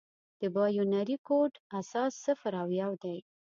د بایونري کوډ اساس صفر او یو دی.